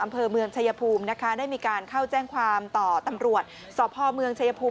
อำเภอเมืองชายภูมินะคะได้มีการเข้าแจ้งความต่อตำรวจสพเมืองชายภูมิ